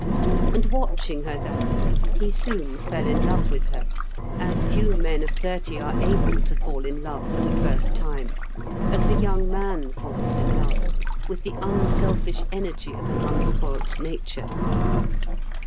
And watching her thus, he soon fell in love with her, as few men of thirty are able to fall in love for the first time—as the young man falls in love, with the unselfish energy of an unspoilt nature.